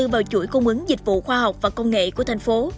vào chuỗi cung ứng dịch vụ khoa học và công nghệ của thành phố